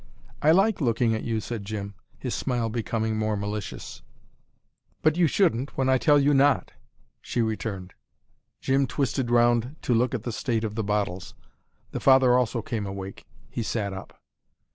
"I like looking at you," said Jim, his smile becoming more malicious. "But you shouldn't, when I tell you not," she returned. Jim twisted round to look at the state of the bottles. The father also came awake. He sat up.